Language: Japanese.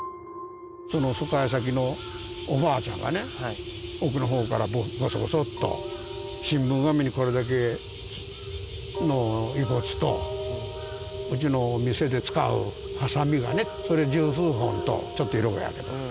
疎開先のおばあちゃんがね、奥のほうからごそごそっと、新聞紙にこれだけの遺骨と、うちの店で使うはさみがね、それが十数本と、ちょっと色が焼けて。